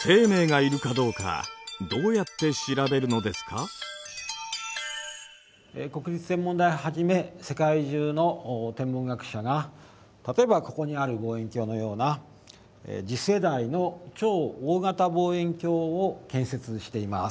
そのうち国立天文台をはじめ世界中の天文学者が例えばここにある望遠鏡のような次世代の超大型望遠鏡を建設しています。